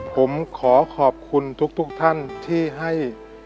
ผมขอขอบคุณทุกท่านที่ให้